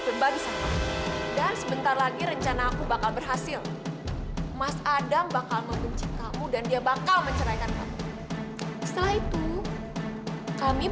jangan jangan benar mas adam bakal bawa rina kembali kesini